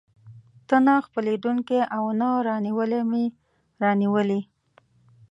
ته نه خپلېدونکی او نه رانیولى مې راونیولې.